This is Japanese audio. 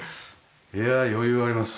いや余裕あります。